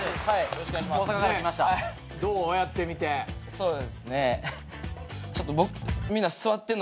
そうですね。